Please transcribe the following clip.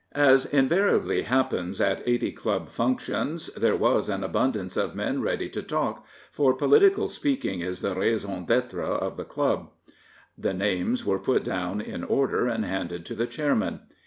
As in variably happens at Eighty Club functions, there was an abundance of men ready to talk, for political speaking is the raison d'Ure of the Club. The names were put down in order and handed to the Chairman.